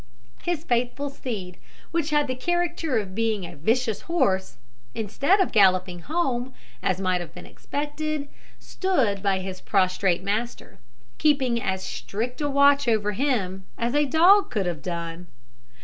His faithful steed, which had the character of being a vicious horse, instead of galloping home, as might have been expected, stood by his prostrate master, keeping as strict a watch over him as a dog could have done.